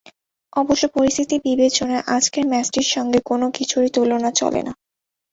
অবশ্য পরিস্থিতি বিবেচনায় আজকের ম্যাচটির সঙ্গে কোনো কিছুরই তুলনা চলে না।